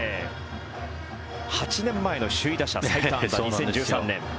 ８年前の首位打者最多安打、２０１３年。